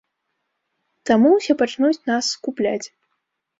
Таму ўсе пачнуць нас скупляць.